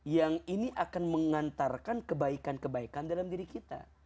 yang ini akan mengantarkan kebaikan kebaikan dalam diri kita